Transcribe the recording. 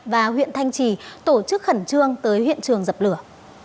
và huyện thanh trì tổ chức khẩn trương tới hiện trường dập lửa